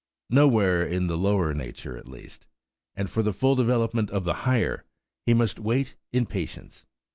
Nowhere in the lower nature, at least; and for the full development of the higher, he must wait in patience.